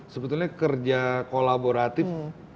sebetulnya kerja kolaboratif